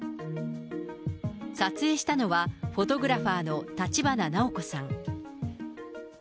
撮影したのは、フォトグラファーの立花奈央子さん。